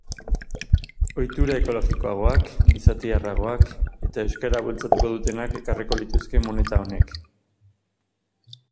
Ohitura ekologikoagoak, gizatiarragoak, eta euskara bultzatuko dutenak ekarriko lituzke moneta honek.